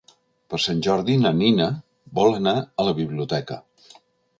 Per Sant Jordi na Nina vol anar a la biblioteca.